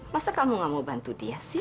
masa kamu gak mau bantu dia sih